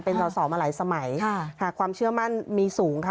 เป็นสอสอมาหลายสมัยหากความเชื่อมั่นมีสูงค่ะ